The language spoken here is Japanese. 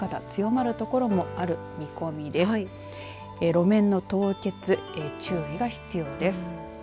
路面の凍結注意が必要です。